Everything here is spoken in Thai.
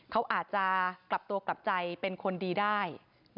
เขาอาจจะกลับตัวกลับใจเป็นคนดีได้